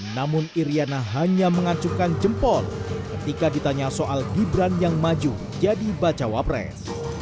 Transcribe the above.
namun iryana hanya mengacukan jempol ketika ditanya soal gibran yang maju jadi bacawa pres